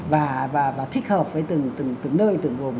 và thích hợp với từng nơi từng vùng